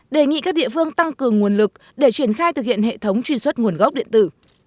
đề nghị các địa phương tăng cường nguồn lực để triển khai thực hiện hệ thống truy xuất nguồn gốc điện tử